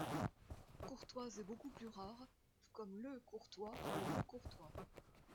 Courtoise est beaucoup plus rare, tout comme Le Courtois et Lecourtois.